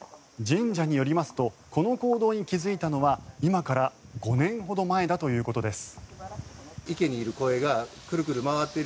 神社によりますとこの行動に気付いたのは今から５年ほど前だということです。